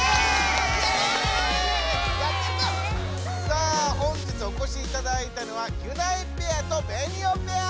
さあ本日おこしいただいたのはギュナイペアとベニオペア。